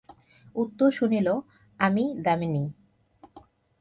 উত্তর শুনিল, আমি দামিনী।